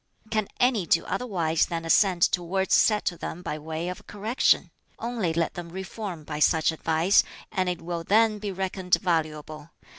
"Can any do otherwise than assent to words said to them by way of correction? Only let them reform by such advice, and it will then be reckoned valuable.